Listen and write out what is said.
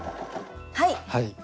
はい。